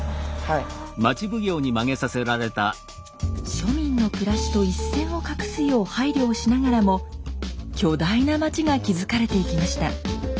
庶民の暮らしと一線を画すよう配慮をしながらも巨大な町が築かれていきました。